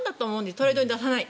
トレードに出さない